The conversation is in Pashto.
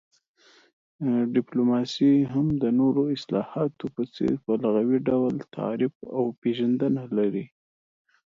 ډيپلوماسي هم د نورو اصطلاحاتو په څير په لغوي ډول تعريف او پيژندنه لري